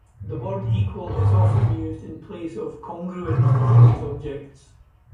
The word "equal" is often used in place of "congruent" for these objects.